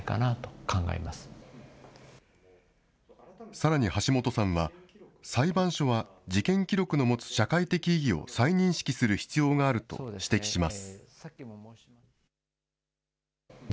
さらに橋本さんは、裁判所は事件記録の持つ社会的意義を再認識する必要があると指摘します。